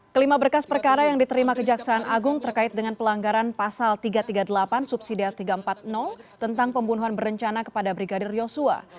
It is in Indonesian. kelima berkas perkara yang diterima kejaksaan agung terkait dengan pelanggaran pasal tiga ratus tiga puluh delapan subsidia tiga ratus empat puluh tentang pembunuhan berencana kepada brigadir yosua